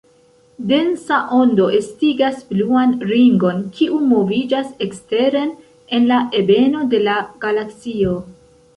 Densa ondo estigas bluan ringon, kiu moviĝas eksteren en la ebeno de la galaksio.